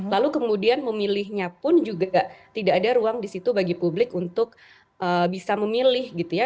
lalu kemudian memilihnya pun juga tidak ada ruang di situ bagi publik untuk bisa memilih gitu ya